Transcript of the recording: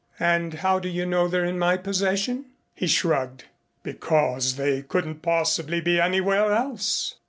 "And how do you know they're in my possession?" He shrugged. "Because they couldn't possibly be anywhere else."